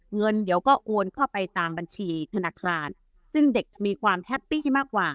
เงินเดี๋ยวก็โอนเข้าไปตามบัญชีธนาคารซึ่งเด็กมีความแฮปปี้มากกว่า